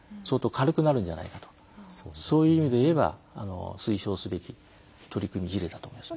そういう意味でいえば推奨すべき取り組み事例だと思います。